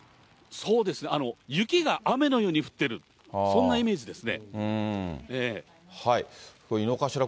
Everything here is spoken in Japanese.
そうですね、雪が雨のように降っている、そんなイメージですね。